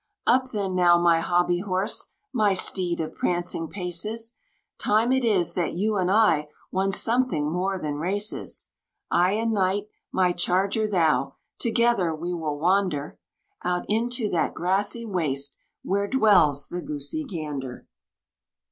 Up then now, my hobby horse, my steed of prancing paces! Time it is that you and I won something more than races. I a knight, my charger thou, together we will wander Out into that grassy waste where dwells the Goosey Gander.